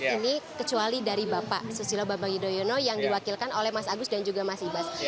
ini kecuali dari bapak susilo bambang yudhoyono yang diwakilkan oleh mas agus dan juga mas ibas